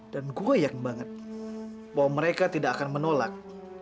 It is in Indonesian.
dan gue yakin banget bahwa mereka tidak akan menolak